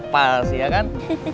pas ya kan